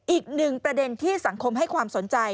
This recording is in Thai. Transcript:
อีกหนึ่งประเด็นที่สังคมให้ความสนใจ